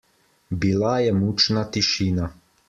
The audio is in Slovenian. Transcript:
Bila je mučna tišina.